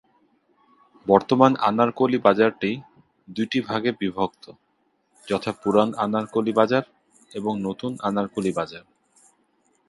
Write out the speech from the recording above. বর্তমান আনারকলি বাজারটি দুইটি ভাগে বিভক্ত, যথা: "পুরান আনারকলি বাজার" এবং "নতুন আনারকলি বাজার"।